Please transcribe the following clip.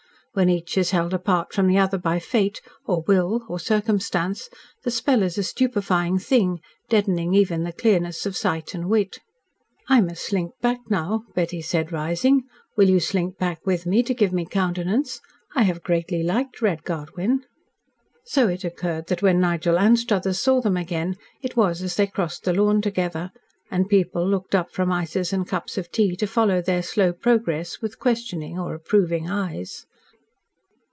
When each is held apart from the other by fate, or will, or circumstance, the spell is a stupefying thing, deadening even the clearness of sight and wit. "I must slink back now," Betty said, rising. "Will you slink back with me to give me countenance? I have greatly liked Red Godwyn." So it occurred that when Nigel Anstruthers saw them again it was as they crossed the lawn together, and people looked up from ices and cups of tea to follow their slow progress with questioning or approving eyes.